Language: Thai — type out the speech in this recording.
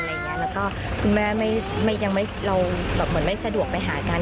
แล้วก็คุณแม่ยังไม่สะดวกไปหากัน